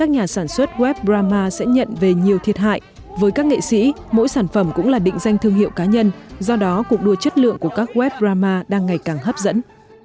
các nhà sản xuất web drama sẽ nhận về nhiều thiệt hại với các nghệ sĩ mỗi sản phẩm cũng là định danh thương hiệu cá nhân do đó cuộc đua chất lượng của các web drama đang ngày càng hấp dẫn